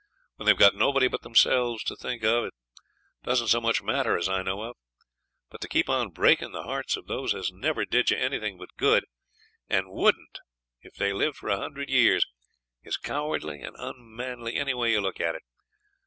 When they've got nobody but themselves to think of it don't so much matter as I know of; but to keep on breaking the hearts of those as never did you anything but good, and wouldn't if they lived for a hundred years, is cowardly and unmanly any way you look at it.